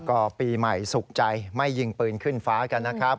ก็ปีใหม่สุขใจไม่ยิงปืนขึ้นฟ้ากันนะครับ